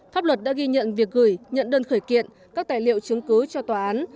pháp luật đã ghi nhận việc gửi nhận đơn khởi kiện các tài liệu chứng cứ cho tòa án